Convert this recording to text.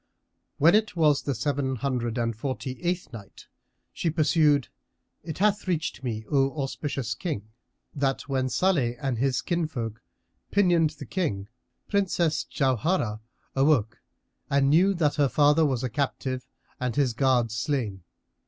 When it was the Seven Hundred and Forty eighth Night, She pursued, It hath reached me, O auspicious King, that when Salih and his kinsfolk pinioned the King, Princess Jauharah awoke and knew that her father was a captive and his guards slain.